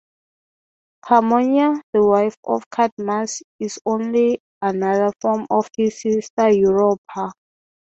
Harmonia, the wife of Cadmus, is only another form of his sister Europa.